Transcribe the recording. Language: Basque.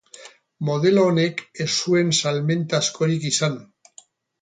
Modelo honek ez zuen salmenta askorik izan.